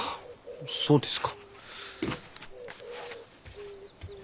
そうですか。